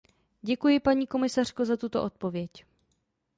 Děkuji, paní komisařko, za tuto odpověď.